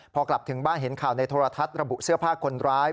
พอกลับถึงบ้านเห็นข่าวในโทรทัศน์ระบุเสื้อผ้าคนร้าย